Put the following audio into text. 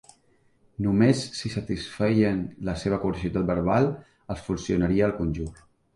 Només si satisfeien la seva curiositat verbal els funcionaria el conjur.